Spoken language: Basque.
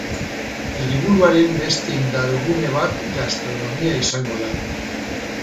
Hiriburuaren beste indargune bat gastronomia izango da.